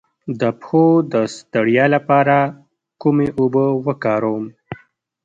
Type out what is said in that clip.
د پښو د ستړیا لپاره کومې اوبه وکاروم؟